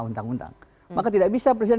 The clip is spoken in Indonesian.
undang undang maka tidak bisa presiden